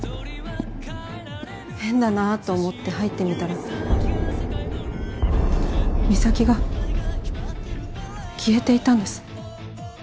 変だなと思って入ってみたら岬が消えていたんです。